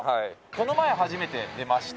この前初めて出まして。